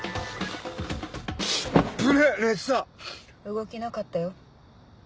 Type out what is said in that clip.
動きなかったよ。